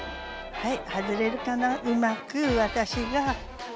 はい！